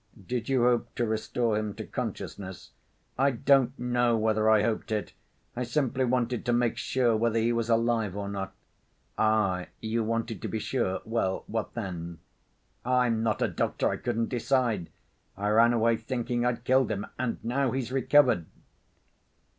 Did you hope to restore him to consciousness?" "I don't know whether I hoped it. I simply wanted to make sure whether he was alive or not." "Ah! You wanted to be sure? Well, what then?" "I'm not a doctor. I couldn't decide. I ran away thinking I'd killed him. And now he's recovered."